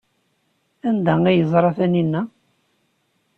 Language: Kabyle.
Anda ay yeẓra Taninna?